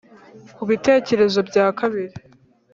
ku bitekerezo bya kabiri